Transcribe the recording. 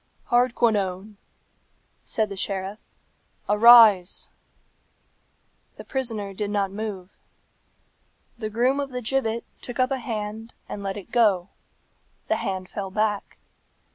"Hardquanonne," said the sheriff, "arise!" The prisoner did not move. The groom of the gibbet took up a hand and let it go; the hand fell back.